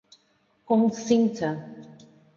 consinta